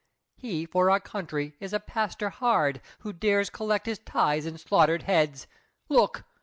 He for our country is a pastor hard, Who dares collect his tithes in slaughtered heads! Look!